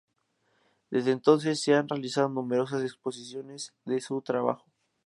Desde entonces se han realizado numerosas exposiciones de su trabajo.